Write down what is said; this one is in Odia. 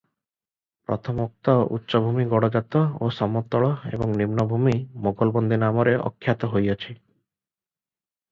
ପ୍ରଥମୋକ୍ତ ଉଚ୍ଚଭୂମି ଗଡ଼ଜାତ ଓ ସମତଳ ଏବଂ ନିମ୍ନଭୂମି ମୋଗଲବନ୍ଦୀ ନାମରେ ଆଖ୍ୟାତ ହୋଇଅଛି ।